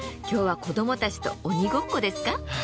今日は子どもたちと鬼ごっこですか？